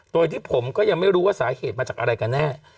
โดยที่ผมก็ยังไม่รู้ว่าสาเหตุมาจากอะไรกันแน่